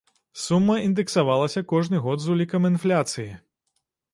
Сума індэксавалася кожны год з улікам інфляцыі.